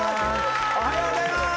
おはようございます